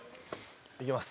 行きます。